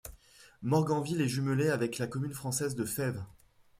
Morganville est jumelée avec la commune française de Fèves.